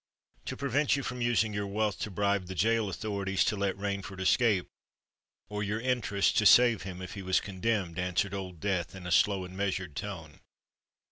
"To prevent you from using your wealth to bribe the gaol authorities to let Rainford escape, or your interest to save him if he was condemned," answered Old Death, in a slow and measured tone.